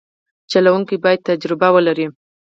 چلوونکی باید تجربه ولري.